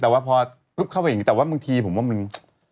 แต่ว่าพอกึ๊บเข้าไปอย่างนี้แต่ว่าบางทีผมว่ามัน